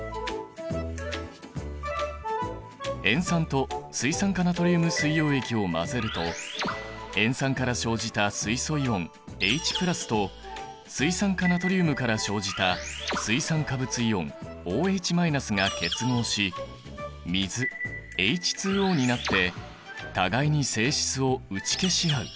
塩酸と水酸化ナトリウム水溶液を混ぜると塩酸から生じた水素イオンＨと水酸化ナトリウムから生じた水酸化物イオンＯＨが結合し水ＨＯになって互いに性質を打ち消し合う。